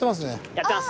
やってます。